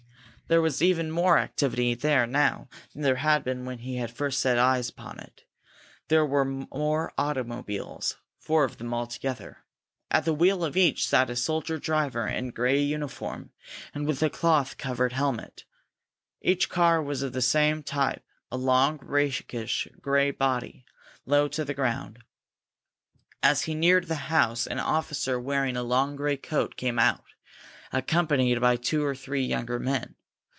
There was even more activity there now than there had been when he had first set eyes upon it. There were more automobiles; four of them altogether. At the wheel of each sat a soldier driver in grey uniform, and with a cloth covered helmet. Each car was of the same type, a long rakish grey body, low to the ground. As he neared the house an officer wearing a long, grey coat came out, accompanied by two or three younger men.